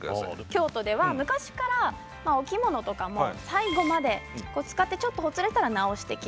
京都では昔からお着物とかも最後まで使ってちょっとほつれたら直して着る。